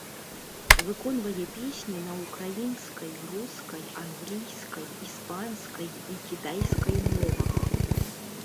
Выконвае песні на ўкраінскай, рускай, англійскай, іспанскай і кітайскай мовах.